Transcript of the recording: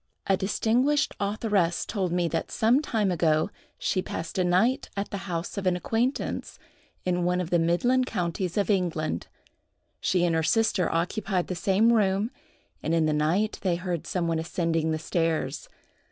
A distinguished authoress told me that some time ago she passed a night at the house of an acquaintance, in one of the midland counties of England. She and her sister occupied the same room, and in the night they heard some one ascending the stairs.